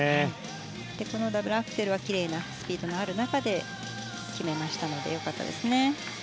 ダブルアクセルはきれいな、スピードのある中で決めましたので良かったですね。